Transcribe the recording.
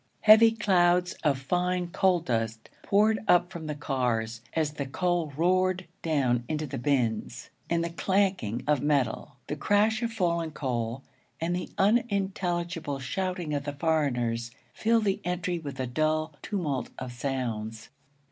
Heavy clouds of fine coal dust poured up from the cars as the coal roared down into the bins; and the clanking of metal, the crash of falling coal, and the unintelligible shouting of the foreigners, filled the entry with a dull tumult of sounds.